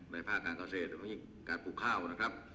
ในภาคการเกาเศษตรงนี้การปลูกข้าวนะครับ